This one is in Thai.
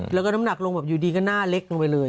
แล้วก็น้ำหนักลงแบบอยู่ดีก็หน้าเล็กลงไปเลย